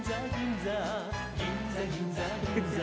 銀座